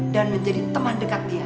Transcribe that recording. dan menjadi teman dekat dia